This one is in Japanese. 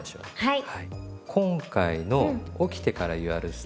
はい。